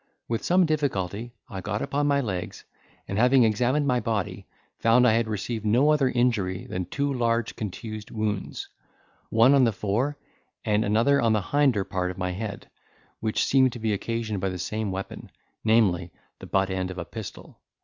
With some difficulty I got upon my legs, and having examined my body, found I had received no other injury than two large contused wounds, one on the fore and another on the hinder part of my head, which seemed to be occasioned by the same weapon, namely, the butt end of a pistol.